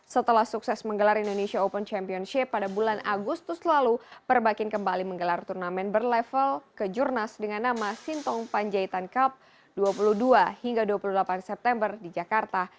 setelah sukses menggelar indonesia open championship pada bulan agustus lalu perbakin kembali menggelar turnamen berlevel kejurnas dengan nama sintong panjaitan cup dua puluh dua hingga dua puluh delapan september di jakarta